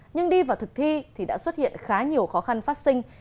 nhưng đi vào thực thi thì đã xuất hiện khá nhiều khó khăn phát sinh